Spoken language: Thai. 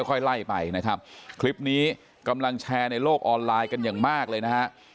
ค่อยไล่ไปนะครับคลิปนี้กำลังแชร์ในโลกออนไลน์กันอย่างมากเลยนะฮะ